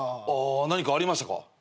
あ何かありましたか？